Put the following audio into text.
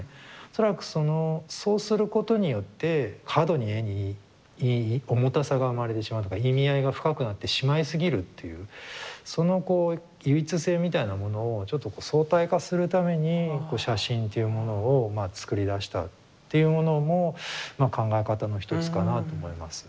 恐らくそうすることによって過度に絵に重たさが生まれてしまうというか意味合いが深くなってしまいすぎるっていうそのこう唯一性みたいなものをちょっとこう相対化するために写真っていうものをまあ作り出したっていうものもまあ考え方の一つかなと思います。